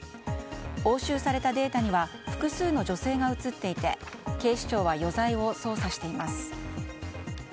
押収されたデータには複数の女性が写っていて警視庁は余罪を捜査しています。